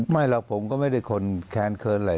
ไม่หรอกผมก็ไม่ได้คนแค้นเขินอะไร